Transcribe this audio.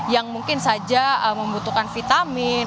yang mungkin saja membutuhkan vitamin